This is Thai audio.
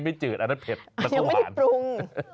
ไม่จืดอันนั้นเผ็ดไม่พรุง